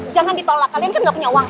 jangan ditolak kalian kan gak punya uang